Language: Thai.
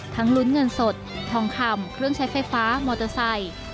ลุ้นเงินสดทองคำเครื่องใช้ไฟฟ้ามอเตอร์ไซค์